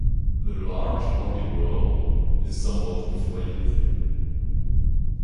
The large body whorl is somewhat inflated.